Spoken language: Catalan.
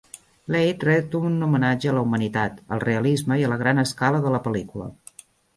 Leigh ret un homenatge a la humanitat, al realisme i a la gran escala de la pel·lícula.